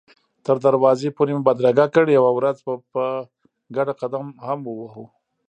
تر دروازې پورې مې بدرګه کړ، یوه ورځ به په ګډه قدم هم ووهو.